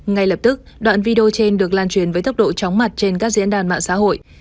ngay lập tức đoạn video trên được lan truyền với tốc độ chóng mặt trên các diễn đàn mạng xã hội